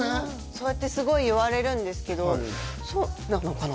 そうやってすごい言われるんですけどそうなのかな？